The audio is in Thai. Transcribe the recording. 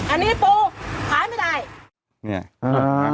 อันนี้ปูขายไม่ได้